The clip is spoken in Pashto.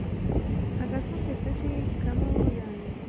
هغه کسان چې ګټه یې کمه وه، لاړل.